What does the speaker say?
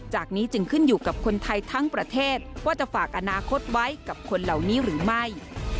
จากนี้จึงขึ้นอยู่กับคนไทยทั้งประเทศว่าจะฝากอนาคตไว้กับคนเหล่านี้หรือไม่